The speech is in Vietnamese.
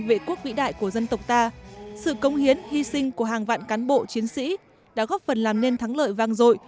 vệ quốc vĩ đại của dân tộc ta sự công hiến hy sinh của hàng vạn cán bộ chiến sĩ đã góp phần làm nên thắng lợi vang dội